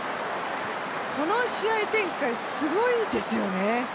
この試合展開、すごいですよね。